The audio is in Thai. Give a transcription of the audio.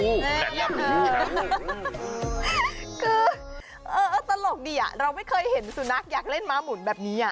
คือตลกดีเราไม่เคยเห็นสุนัขอยากเล่นม้าหมุนแบบนี้